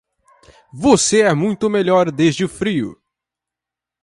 Você é muito melhor desde o frio.